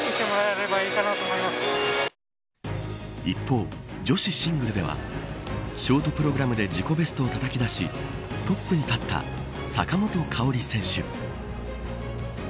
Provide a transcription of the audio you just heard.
一方、女子シングルではショートプログラムで自己ベストをたたき出しトップに立った坂本花織選手。